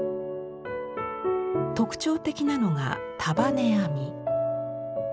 特徴的なのが束ね編み。